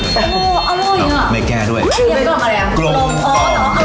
อร่อยอ่ะไม่แก้ด้วยเหลี่ยมกล่อมอะไรอ่ะ